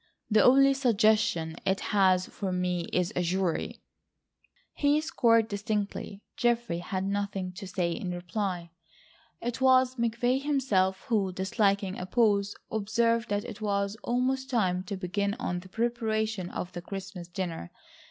—the only suggestion it has for me is a jury?" He scored distinctly. Geoffrey had nothing to say in reply. It was McVay himself, who, disliking a pause, observed that it was almost time to begin on the preparation of the Christmas dinner.